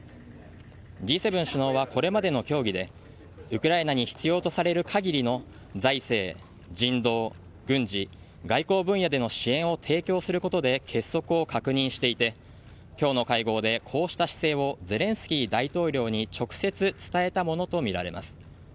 Ｇ７首脳はこれまでの協議でウクライナ必要とされる限りの財政、人道、軍事外交分野での支援を提供することで結束を確認していて今日の会合でこうした姿勢をゼレンスキー大統領に直接伝えたものとみられます。